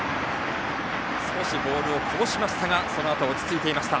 少しボールをこぼしましたがそのあとは落ち着いていました。